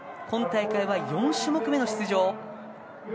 今大会は４種目めの出場。